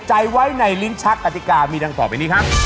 โชคความแม่นแทนนุ่มในศึกที่๒กันแล้วล่ะครับ